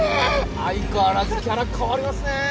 相変わらずキャラ変わりますねぇ。